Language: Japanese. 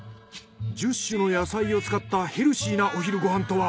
１０種の野菜を使ったヘルシーなお昼ご飯とは？